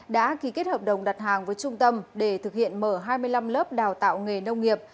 đã ký kết hợp đồng đặt hàng với trung tâm để thực hiện mở hai mươi năm lớp đào tạo nghề nông nghiệp